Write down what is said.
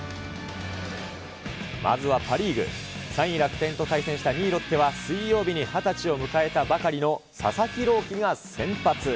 まずはパ・リーグ、３位楽天と対戦した２位ロッテは、水曜日に２０歳を迎えたばかりの佐々木朗希が先発。